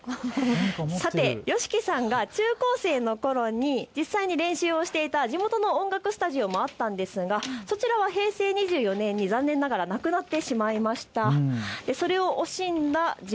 さて、ＹＯＳＨＩＫＩさんが中高生のころに実際に練習をしていた地元の音楽スタジオもあったんですが、そちらは平成２４年に残念ながらなくなってしまいました。